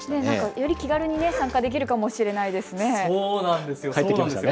より気軽に参加できるかもしれないですね。